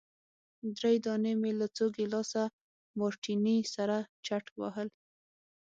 درې دانې مي له څو ګیلاسه مارټیني سره چټ وهل.